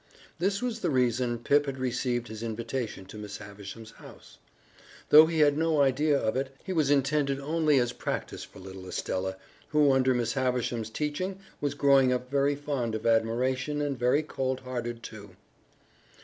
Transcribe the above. This was the reason Pip had received his invitation to Miss Havisham's house. Though he had no idea of it, he was intended only as practice for little Estella, who under Miss Havisham's teaching was growing up very fond of admiration and very cold hearted, too.